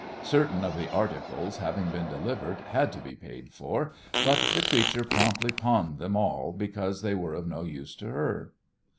Certain of the articles, having been delivered, had to be paid for, but the creature promptly pawned them all because they were of no use to her.